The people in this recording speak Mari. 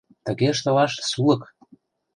Тыге ыштылаш — сулык!